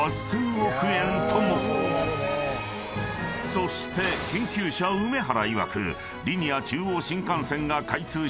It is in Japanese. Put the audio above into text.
［そして研究者梅原いわく］